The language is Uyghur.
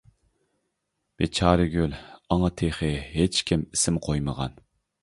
بىچارە گۈل ئاڭا تېخى ھېچكىم ئىسىم قويمىغان.